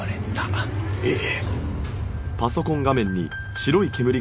ええ。